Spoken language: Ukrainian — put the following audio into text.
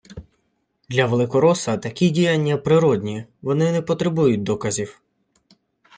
Для великороса такі діяння природні, вони не потребують доказів